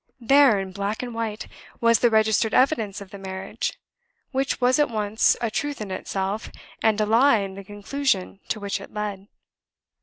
There, in black and white, was the registered evidence of the marriage, which was at once a truth in itself, and a lie in the conclusion to which it led!